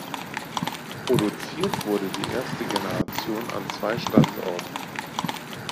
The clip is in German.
Produziert wurde die erste Generation an zwei Standorten.